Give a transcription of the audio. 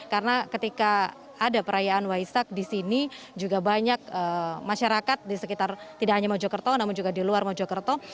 ada perayaan waisak di sini juga banyak masyarakat di sekitar tidak hanya mojo kerto namun juga di luar mojo kerto